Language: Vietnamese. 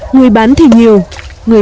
người bán thì nhiều